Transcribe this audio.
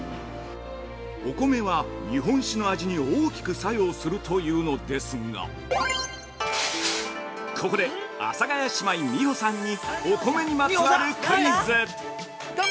◆お米は日本酒の味に大きく作用するというのですがここで、阿佐ヶ谷姉妹美穂さんにお米にまつわるクイズ。